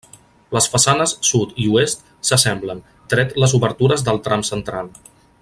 Les façanes Sud i Oest s'assemblen, tret les obertures del tram central.